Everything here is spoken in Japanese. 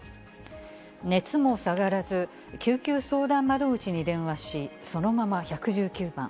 熱も下がらず、救急相談窓口に電話し、そのまま１１９番。